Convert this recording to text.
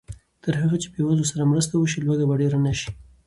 تر هغه چې بېوزلو سره مرسته وشي، لوږه به ډېره نه شي.